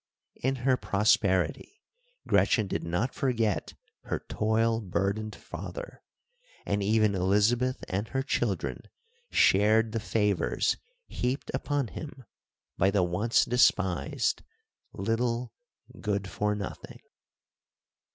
In her prosperity, Gretchen did not forget her toil burdened father, and even Elizabeth and her children shared the favors heaped upon him by the once despised little Good for Nothing.